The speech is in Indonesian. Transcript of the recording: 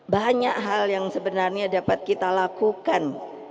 banyak hal yang sebenarnya dapat kita lakukan